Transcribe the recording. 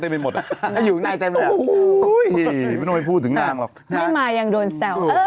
มันไม่มายังโดนแซว